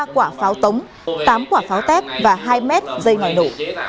một mươi ba quả pháo tống tám quả pháo tép và hai m dây ngòi nổ